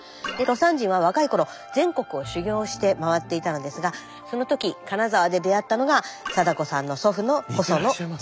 魯山人は若い頃全国を修業して回っていたのですがその時金沢で出会ったのが定子さんの祖父の細野燕台。